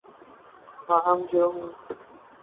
مہم جو ہوں